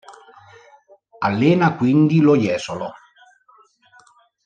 Allena quindi lo Jesolo.